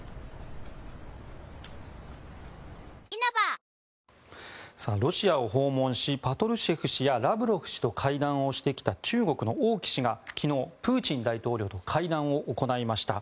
東京海上日動ロシアを訪問しパトルシェフ氏やラブロフ氏と会談をしてきた中国の王毅氏が昨日プーチン大統領と会談を行いました。